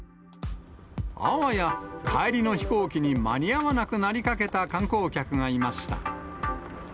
あわや帰りの飛行機に間に合わなくなりかけた観光客がいました。